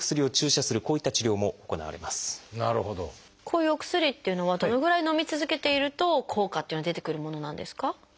こういうお薬っていうのはどのぐらいのみ続けていると効果っていうのが出てくるものなんですか？